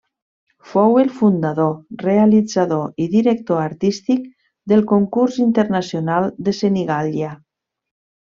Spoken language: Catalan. Fou el fundador, realitzador i director artístic del concurs internacional de Senigallia.